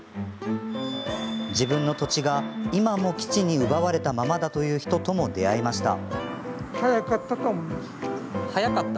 自分の土地が今も基地に奪われたままだという人とも出会いました。